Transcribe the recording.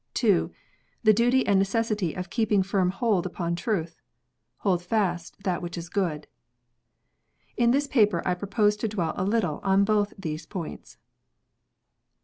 II. The duty and necessity of keeping firm hold upon truth :" Hold fast that which is good." In this paper I propose to dwell a little on both these points.